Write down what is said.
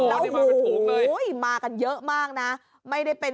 โอ้โหมากันเยอะมากนะ